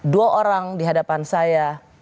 dua orang di hadapan saya